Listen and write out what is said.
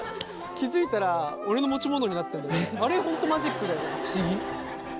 気付いたら俺の持ち物になっててあれ本当マジックだよね不思議。